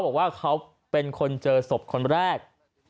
บอกว่าเขาเป็นคนเจอศพคนแรก